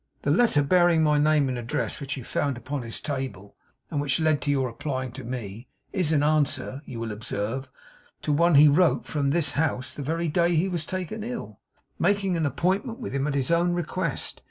The letter bearing my name and address which you found upon his table, and which led to your applying to me, is in answer, you will observe, to one he wrote from this house the very day he was taken ill, making an appointment with him at his own request.